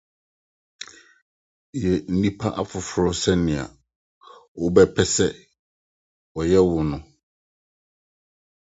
Yɛ nnipa afoforo sɛnea wobɛpɛ sɛ wɔyɛ wo no.